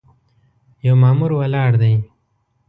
یو مامور ولاړ دی.